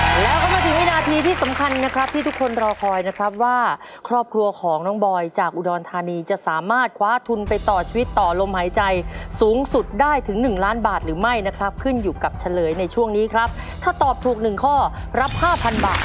แล้วก็มาถึงวินาทีที่สำคัญนะครับที่ทุกคนรอคอยนะครับว่าครอบครัวของน้องบอยจากอุดรธานีจะสามารถคว้าทุนไปต่อชีวิตต่อลมหายใจสูงสุดได้ถึงหนึ่งล้านบาทหรือไม่นะครับขึ้นอยู่กับเฉลยในช่วงนี้ครับถ้าตอบถูกหนึ่งข้อรับห้าพันบาท